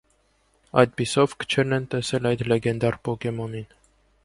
Այդպիսով, քչերն են տեսել այս լեգենդար պոկեմոնին։